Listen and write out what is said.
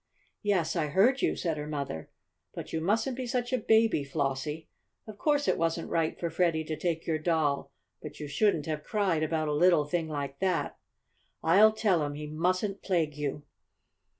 "Yes, I heard you," said her mother. "But you mustn't be such a baby, Flossie. Of course it wasn't right for Freddie to take your doll, but you shouldn't have cried about a little thing like that. I'll tell him he mustn't plague you."